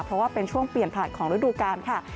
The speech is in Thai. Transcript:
เพราะว่าเป็นช่วงเปลี่ยนผ่านของฤดูกาลค่ะ